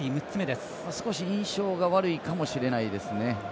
少し印象が悪いかもしれないですね。